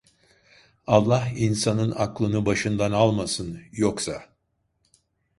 Allah insanın aklını başından almasın, yoksa!